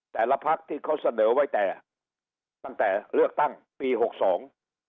แต่ละพักที่เขาเสนอไว้แต่ตั้งแต่เลือกตั้งปีหกสอง